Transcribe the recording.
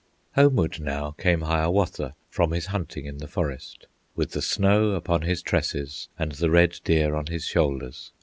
Homeward now came Hiawatha From his hunting in the forest, With the snow upon his tresses, And the red deer on his shoulders.